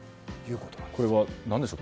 これ、何ででしょう？